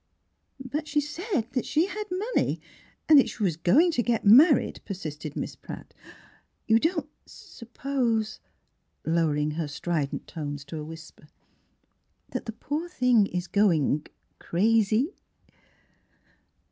"But she said that she had money, and that she was going to get married," persisted Miss Pratt. "You don't suppose" — lowering her strident tones to a whisper — "that the poor thing is going crazy.?"